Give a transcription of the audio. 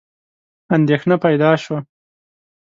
اندېښنه پیدا شوه.